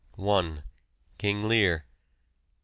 King Lear. 2.